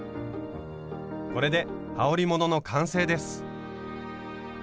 これではおりものの完成です。